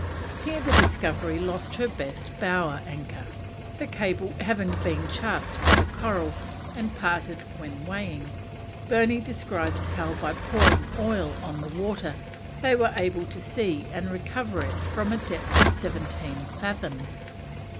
Here the Discovery lost her best bower anchor, the cable having been chafed by the coral and parted when weighing; Burney describes how by pouring oil on the water they were able to see and recover it from a depth of seventeen fathoms.